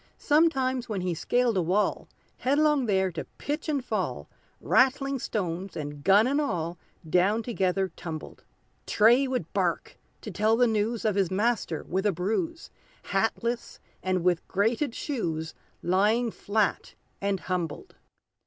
Sometimes when he scaled a wall, Headlong there to pitch and fall, Ratling stones, and gun and all. Down together tumbled. Tray would bark to tell the news Of his master with a bruise, Hatless, and with grated shoes, Lying flat and humbled!